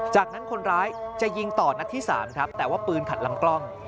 จากนั้นคนร้ายจะยิงต่อนัดที่๓ครับแต่ว่าปืนขัดลำกล้อง